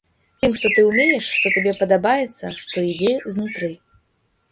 Тым, што ты ўмееш, што табе падабаецца, што ідзе знутры.